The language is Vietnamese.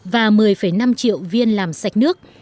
và một mươi năm triệu viên làm sạch nước